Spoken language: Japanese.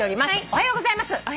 「おはようございます。